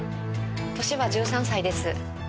年は１３歳です。